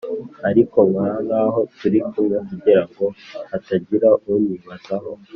ariko nkora nk'aho turi kumwe kugira ngo hatagira unyibazaho.